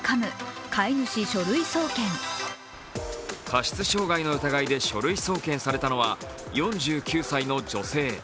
過失傷害の疑いで書類送検されたのは４９歳の女性。